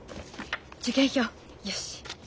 受験票よし。